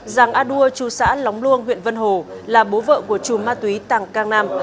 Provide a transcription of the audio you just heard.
giàng a đua chú xã lóng luông huyện vân hồ là bố vợ của chùm ma túy tàng cang nam